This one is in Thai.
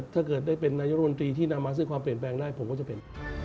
ถ้าเกิดได้เป็นนายกรมนตรีที่นำมาซึ่งความเปลี่ยนแปลงได้ผมก็จะเป็น